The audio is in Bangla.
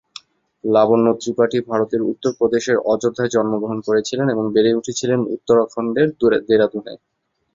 লাবণ্য ত্রিপাঠি ভারতের উত্তরপ্রদেশের অযোধ্যায় জন্মগ্রহণ করেছিলেন এবং বেড়ে উঠেছিলেন উত্তরাখণ্ডের দেরাদুনে।